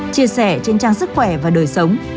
chia sẻ trên trang sức khỏe và đời sống